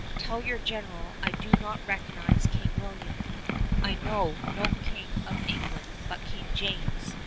Tell your General I do not recognize King William! I know no king of England but King James!